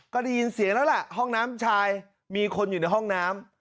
ก็ได้ยินเสียงแล้วล่ะห้องน้ำชายมีคนอยู่ในห้องน้ำ